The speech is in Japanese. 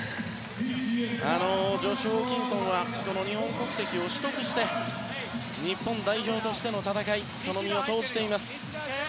ジョシュ・ホーキンソンは日本国籍を取得して日本代表としての戦いにその身を投じています。